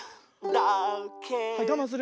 「だけど」